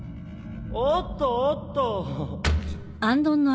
・おっとおっと。